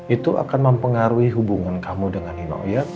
itu akan mempengaruhi hubungan kamu dengan inno ya